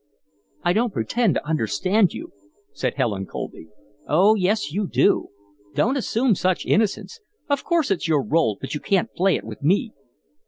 "I don't pretend to understand you," said Helen, coldly. "Oh yes, you do! Don't assume such innocence. Of course it's your role, but you can't play it with me."